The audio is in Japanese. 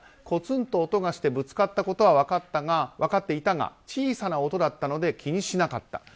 コツンと音がしてぶつかったことは分かっていたが小さな音だったので気にしなかった。